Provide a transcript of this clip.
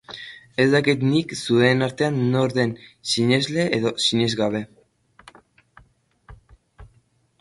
Ez dakit nik zuen artean nor den sinesle edo sinesgabe.